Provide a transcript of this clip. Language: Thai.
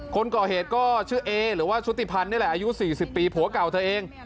คนก่อเหตุก็ชื่อเอหรือว่าชุติพันธ์นี่แหละอายุ๔๐ปีผัวเก่าเธอเอง